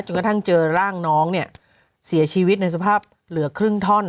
กระทั่งเจอร่างน้องเนี่ยเสียชีวิตในสภาพเหลือครึ่งท่อน